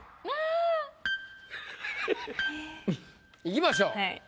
いきましょう。